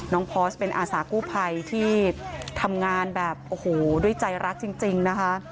พอร์สเป็นอาสากู้ภัยที่ทำงานแบบโอ้โหด้วยใจรักจริงนะคะ